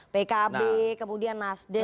pkb kemudian nasdem